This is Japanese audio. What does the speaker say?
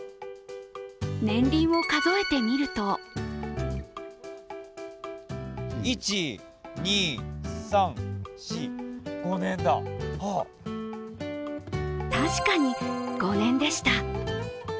年輪を数えてみると確かに５年でした。